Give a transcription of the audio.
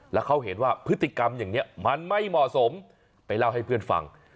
แล้วเขาเห็นว่าพฤติกรรมอย่างนี้มันไม่เหมาะสมไปเล่าให้เพื่อนฟัง